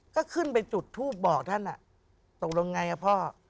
ก็ขึ้นไปจุดทูปบอกท่านตกลงไงพ่อ